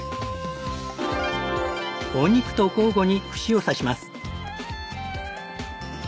お肉と交互に串を刺します。